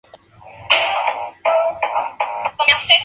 Es conocido por dos especímenes subadultos encontrados en estrecha conexión.